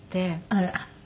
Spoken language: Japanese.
あら。